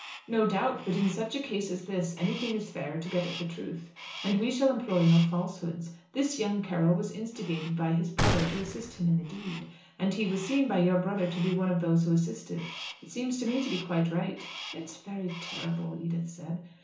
"No doubt. But in such a case as this anything is fair to get at the truth. And we shall employ no falsehoods. This younger Carroll was instigated by his brother to assist him in the deed. And he was seen by your brother to be one of those who assisted. It seems to me to be quite right." "It is very terrible," Edith said.